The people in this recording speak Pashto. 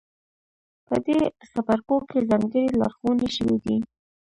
په دې څپرکو کې ځانګړې لارښوونې شوې دي.